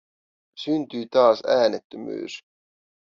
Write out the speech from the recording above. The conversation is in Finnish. Syntyi taas äänettömyys.